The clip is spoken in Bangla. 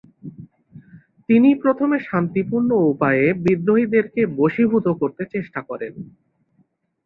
তিনি প্রথমে শান্তিপূর্ণ উপায়ে বিদ্রোহীদেরকে বশীভূত করতে চেষ্টা করেন।